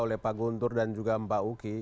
oleh pak guntur dan juga mbak uki